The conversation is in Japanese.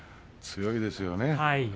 強いですね。